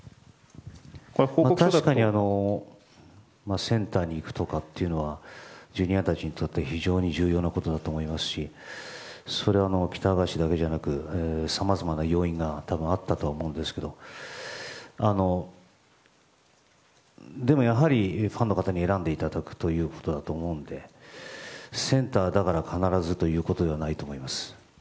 確かにセンターに行くとかというのはＪｒ．たちにとって非常に重要なことだと思いますしそれは喜多川氏だけじゃなくさまざまな要因が多分あったと思うんですがでも、やはりファンの方に選んでいただくということだと思うのでセンターだから必ずということではないと思います。